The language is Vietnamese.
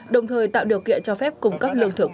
đồng thời tạo điều kiện cho phép cung cấp lương thực